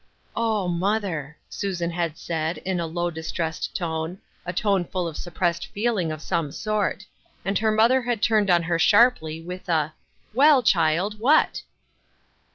" Oh, mother !" Susan had said, in a low, dis tressed tone — a tone full of suppressed feeling of some sort — and her mother had turned on her sharply, with a — "Well, child, what?"